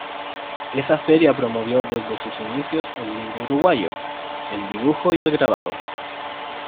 Esa feria promovió desde sus inicios el libro uruguayo, el dibujo y el grabado.